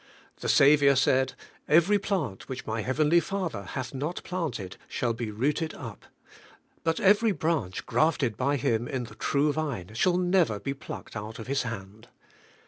The Saviour said, * Every plant which my Heavenly Father hath not planted, shall be rooted up;' but every branch grafted by Him in the True Vine, shall never be plucked out of His hand.